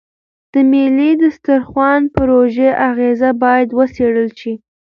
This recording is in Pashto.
د ملي دسترخوان پروژې اغېز باید وڅېړل شي.